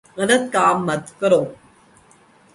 غلط کام مت کرو ـ